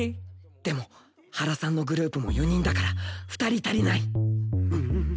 でも原さんのグループも４人だから２人足りない。